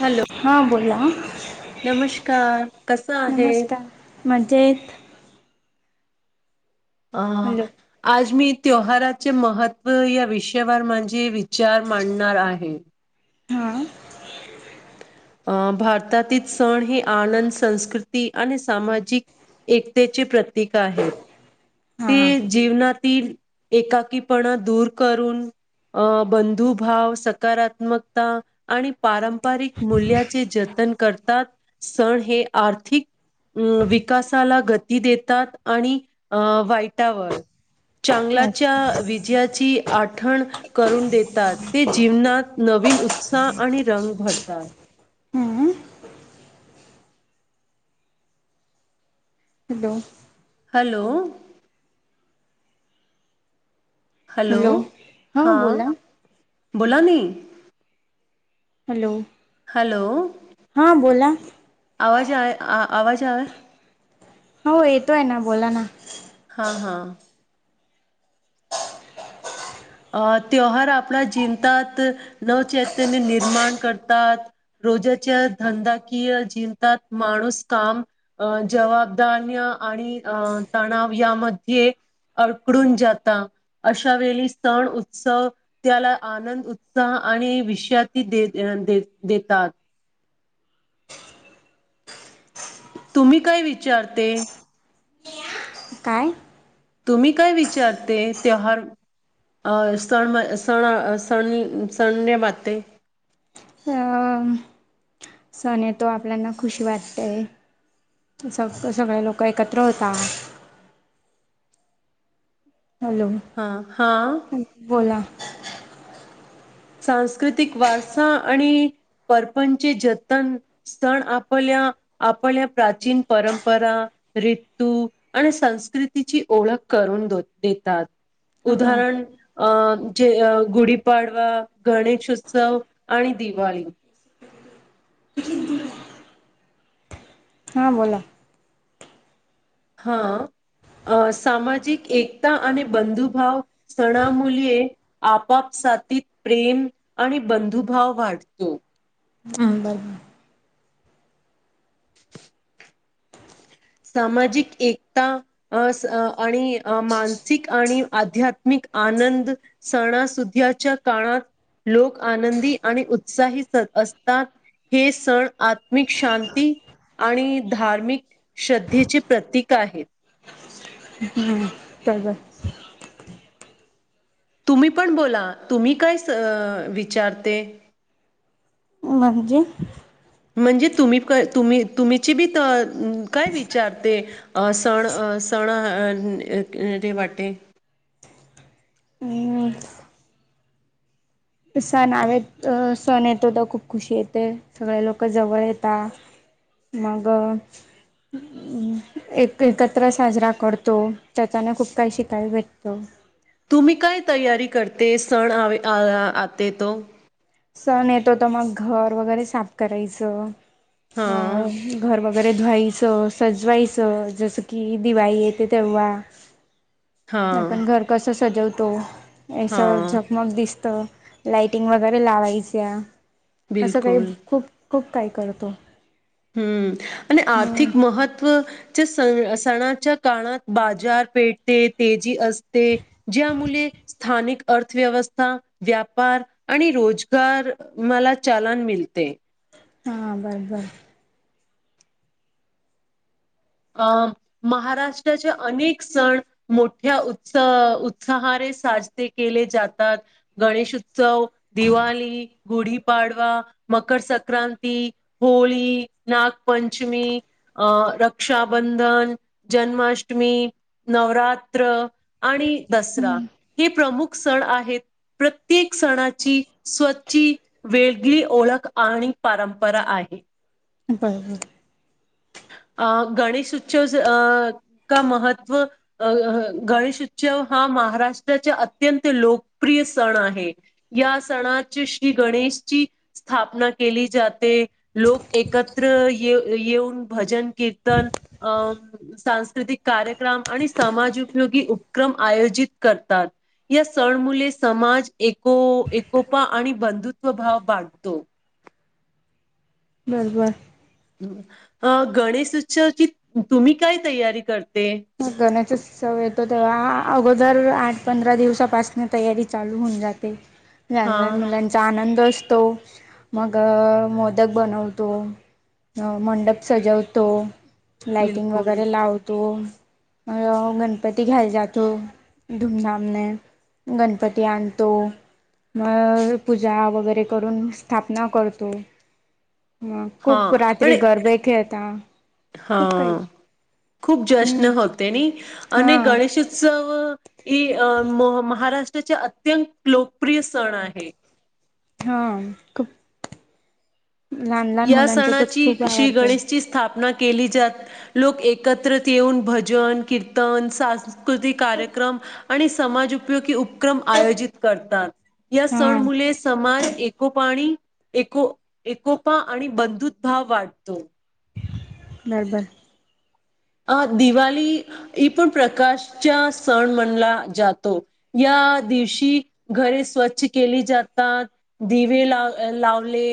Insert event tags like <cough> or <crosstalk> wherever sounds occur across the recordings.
Hello हां बोला नमस्कार कस आहे म्हणजेच ह हॅलो आज मी त्यवहाराचे महत्त्व या विषयावर माझे विचार मांडणार आहे हा अं भारतातील सण हे आनंद संस्कृती आणि सामाजिक एकतेचे प्रतीक आहेत हा ते जीवनातील एकाकीपणा दूर करून अ बंधुभव सकारात्मकता आणि पारंपरिक मूल्याचे जतन करतात सण हे आर्थिक अ विकासाला गती देतात आणि अ वाईटावर अस चांगलाच्या विजयाची आठण करून देतात ते जीवनात नवीन उत्साह आणि रंग भरतात हम्म हॅलो हॅलो हॅलो हा हां बोला बोला ना हॅलो. हॅलो. हा बोला आवाज आहे आ आवाज आहे हो येतोय ना बोला ना हां हां अ त्योहार आपल्या जिंतात नवचैत्याने निर्माण करतात. रोजाच्या धंदाकीय जिवतात माणूस काम अं जबाबदान्य आणि अं तणाव यामध्ये अडकडून जाता अशा वेळी सण उत्सव त्याला आनंद उत्साह आणि विश्यातीदे देतात. तुम्ही काय विचारते. काय? तुम्ही काय विचारते तेहार अ सण म सण सण सण माते. <unintelligible> सण येतो आपल्यांना खुशी वाटते सग सगळे लोकं एकत्र होतात. हॅलो. हा हा. बोला. सांस्कृतिक वारसा आणि परपंचे जतन स्तण आपल्या आपल्या प्राचीन परंपरा रित्तु आणि संस्कृतीची ओळख करून दो देतात. हा हां उदाहरण अ जे अ गुढीपाडवा गणेश उत्सव आणि दिवाळी. हां बोला. हा अ सामाजिक एकता आणि बंधुभाव स्तणा मुलीये. आपापसाथीत प्रेम आणि बंधुभाव वाढतो. हम्म बर बर. सामाजिक एकता अस आणि मानसिक आणि आध्यात्मिक आनंद. सणासुध्याच्या काळात लोक आनंदी आणि उत्साही असतात. हे सण आत्मिक शांती आणि धार्मिक श्रद्धेचे प्रतीक आहेत. हम्. तरब. तुम्ही पण बोला तुम्ही काय अ विचारते. म्हणजे. म्हणजे तुम्ही का तुम्ही तुम्हीची बी तर काय विचारते. अ सण अ सण अ ते वाटे. हम्. सण आवेत सण येतो तर खूप खुशी येते सगळे लोकं जवळ येता. मग. <unintelligible> एक एकत्र साजरा करतो त्याचानं खूप काही शिकाय भेटतो. तुम्ही काय तयारी करते सण आवे अ आते तो. सण येतो तर मग घर वगैरे साफ करायचं अ हां घर वगे वगैरे धुवायचं सजवायचं जसं की दिवाळी येते तेव्हा हां आपण घर कसं सजवतो ऐस हां झगमग दिसतं. लाइटिंग वगैरे लावायच्या असं काही बिलकुल खूप खूप काही करतो. हम्म आणि हम्म आर्थिक महत्व च्या सणाच्या काळात बाजार पेटेत तेजी असते. ज्या मुली स्थानिक अर्थव्यवस्था व्यापार आणि रोजगार मला चालन मिलते. हा बर बर. अं महाराष्ट्राचे अनेक सण मोठ्या उत्स उत्साहारे साजरे केले जातात. गणेशउत्सव, दिवाली, गुढीपाडवा, मकर संक्रांती. होळी, नागपंचमी, अ र रक्षाबंधन, जन्माष्टमी, नवरात्र आणि दसरा हम्म हे प्रमुख सण आहेत प्रत्येक सणाची स्वची वेगळी ओळख आणि परंपरा आहे बरं बरं अ गणेश उत्सव अ का महत्त्व अ गणेश उत्सव हा महाराष्ट्राचा अत्यंत लोकप्रिय सण आहे या सणाची श्री गणेशची स्थापना केली जाते लोक एकत्र ये येऊन भजन कीर्तन अं सांस्कृतिक कार्यक्रम आणि समाज उपयोगी उपक्रम आयोजित करतात या सण मुले समाज एको एकोपा आणि बंधुत्वभव वाढतो बस बर गणेश उत्सवाची तुम्ही काय तयारी करते गणेशोत्सव येतो तेव्हा अगोदर आठ पंधरा दिवसापासन तयारी चालू होऊन जाते <unintelligible> लान मुलांचा आनंद असतो मग मोदक बनवतो अ मंडप सजवतो लाइटिंग वगैरे लावतो अ गणपती घ्यायला जातो धूमधामने गणपती आणतो मग पूजा वगैरे करून स्थापना करतो ह खूप रात्री घर बैखेता हा खूप हम्म जश्न होते नि हा आणि गणेश उत्सव ही महाराष्ट्राचे अत्यंत लोकप्रिय सण आहे हा खूप लहान लहान या मुलांचा तरच सणाची खूप श्री आवडत आहे गणेशची स्थापना केली जात लोक एकत्र येऊन भजन कीर्तन सांस्कृतिक कार्यक्रम आणि समाज उपयोगी उक्रम आयोजित करतात या सण हा मुले समाज एकोपाणी एको एकोपा आणि बंधुत भााव वाढतो बरबर अ दिवाळी ह पण प्रकाशच्या सण म्हणला जातो या दिवशी घर स्वच्छ केली जातात दिवे ला लावले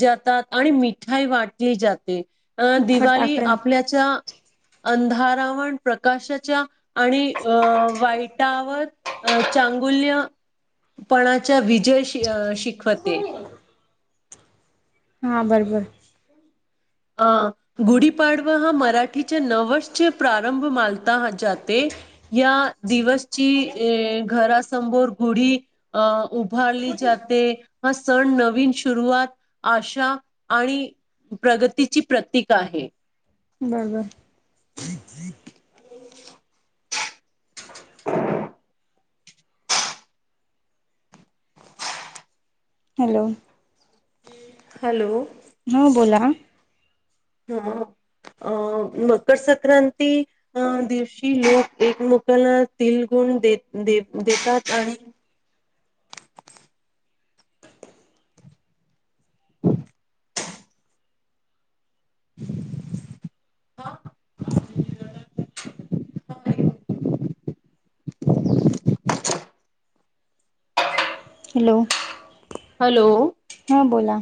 जातात आणि मिठाई वाटली जाते अ दिवाळी फटाकडे आपल्याच्या अंधारावण प्रकाशाच्या आणि अ वाईटावर अ चांगुल्यपणाचा विजय श शिकवते हा बरोबर ह गुढीपाडवा हा मराठीच्या नवसचे प्रारंभ मालता जाते या दिवसची अ घरासमोर गुढी अ उभारली जाते हा सण नवीन सुरुवात आशा आणि प्रगतीची प्रतीक आहे बरं बर हॅलो हॅलो हा बोला ह अ मकर संक्रांती अ दिवशी लोक एकमेकाला तिल गुण देतात आणि हा हा हॅलो हॅलो हा बोला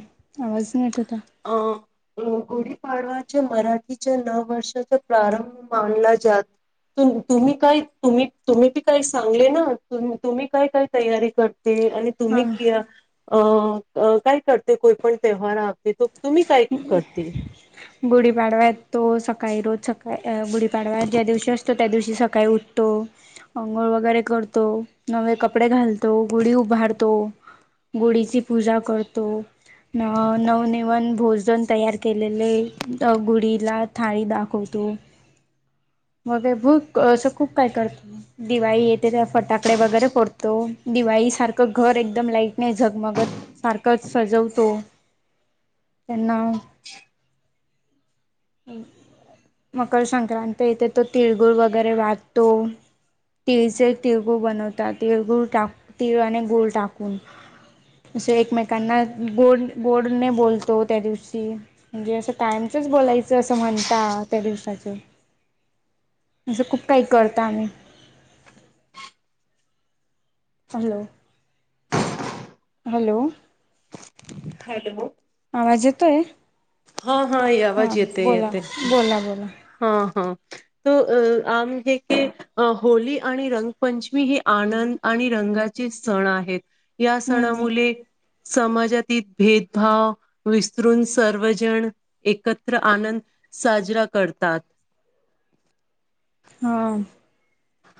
आवाज न येत होता अं <unintelligible> गुढीपाडवाच्या मराठीच्या नववर्षाचा प्रारंभ मानला जात <unintelligible> तुम्ही काय तुम्ही तुम्हीी काही सांगले ना तुम्ही काय काय तयारी कर <unintelligible> ते आणि तुम्ही हा कि अ काय करते कोयपण तेवहार <unintelligible> ते तो तुम्ही काय करते <unintelligible> गुढीपाडव्यात तो सकाळी रोज सकाळी गुढीपाडव्या ज्या दिवशी असतो <unintelligible> त्या दिवशी सकाळी उठतो <unintelligible> अंघोळ वगैरे करतो नवे कपडे घालतो गुढी उभारतो <unintelligible> गुढीची पूजा करतो न नवनिवन भोजन तयार केलेले अ गुढीला थाळी दाखवतो <unintelligible> मग भूक असं खूप काय करतो <unintelligible> दिवाळी येते त्या फटाकडे वगैरे फोडतो दिवाळी सारखं घर एकदम लाईट नाही झगमगत सारखंच सजवतो त्यांना <unintelligible> मकर संक्रांत येथे तो तिळगुळ वगैरे वाहतो <unintelligible> तिळचे तिळगूळ बनवतात तिळगूळ टाक तिळाने गूळ टाकून <unintelligible> असं एकमेकांना गोड गोडने बोलतो त्या दिवशी <unintelligible> म्हणजे असं टाइमच बोलायचं <unintelligible> ज असं म्हणता त्या दिवसाच असं खूप काही करता आम्ही <unintelligible> हॅलो <unintelligible> हॅलो <unintelligible> हॅलो <unintelligible> आवाज येतोय <unintelligible> हा हा य <unintelligible> हा बोला बोला बोला <unintelligible> हा हा त अ आमज क <unintelligible> अं होळी आणि रंगपंचमी ह आनंद आणि रंगाचे सण आहेत <unintelligible> या हम्म सणामुळेले <unintelligible> समाजातील भेदभाव विसरून सर्वजण एकत्र आनंद साजरा करतात <unintelligible> हा <unintelligible>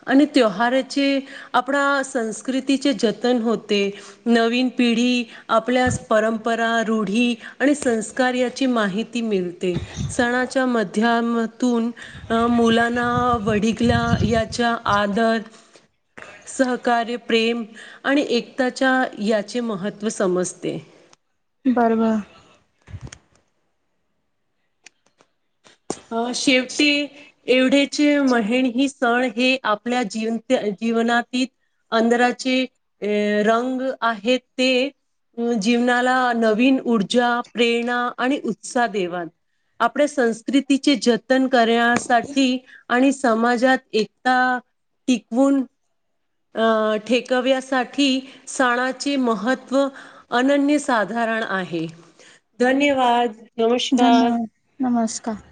आणि त्योहाराचे आपणा संस्कृतीचे जतन होते <unintelligible> नवीन पिढी आपल्या परंपरा रूढी <unintelligible> आणि संस्कार याची माहिती मिळते सणाच्या मध्याम <unintelligible> लाना वड या आद <unintelligible> सहकार्य प्रेम आणि एकताच्या याचे महत्त्व समजते <unintelligible> बरं बर <unintelligible> अ शेवटी <unintelligible> एवढेचे महे ही स्थळ हे आपल्या जीवन जीवनातीलत <unintelligible> अधराचे अ रंग आहेत ते <unintelligible> अ जीवनाला नवीन ऊर्जा प्रेरणा आणि उत्साह देवा <unintelligible> आपल्या संस्कृतीचे जतन करण्यासाठी <unintelligible> आणि समाजात एकता टिकवून <unintelligible> अं ठेकव्यासाठी सणाचे महत्त्व <unintelligible> अनन्य साधारण आहे धन्यवाद <unintelligible> धन्यवाद नमस्कार <unintelligible>